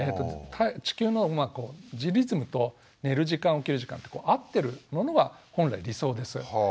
地球のリズムと寝る時間起きる時間って合ってるものは本来理想です。